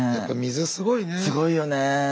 すごいよね。